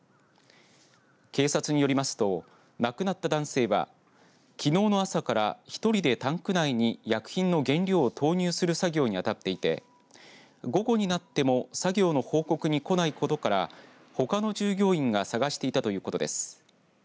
警察によりますと亡くなった男性はきのうの朝から１人でタンク内に薬品の原料を投入する作業に当たっていて午後になっても作業の報告に来ないことからほかの従業員が探していたということです。